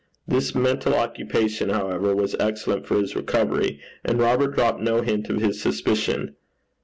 This mental occupation, however, was excellent for his recovery; and Robert dropped no hint of his suspicion.